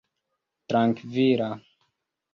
trankvila